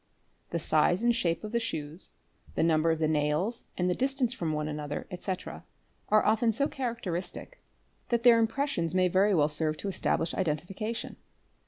'The size and shape of the shoes, the number of the nails and the listance from one another, etc., are often so characteristic that their im yressions may very well serve to establish identification.